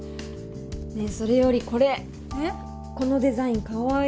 ねえそれよりこれこのデザインかわいい。